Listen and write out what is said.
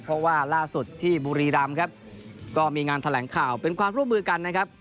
เพราะว่าล่าสุดที่บุรีรำครับก็มีงานแถลงข่าวเป็นความร่วมมือกันนะครับ